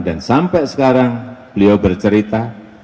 dan sampai sekarang beliau bercerita